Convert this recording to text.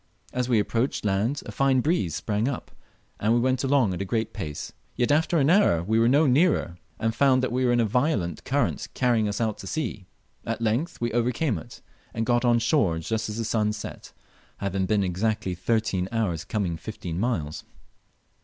As we approached land a fine breeze sprang up, and we went along at a great pace; yet after an hour we were no nearer, and found we were in a violent current carrying us out to sea. At length we overcame it, and got on shore just as the sun set, having been exactly thirteen hours coming fifteen miles.